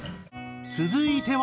続いては。